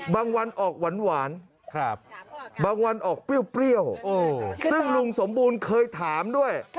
วันออกหวานบางวันออกเปรี้ยวซึ่งลุงสมบูรณ์เคยถามด้วย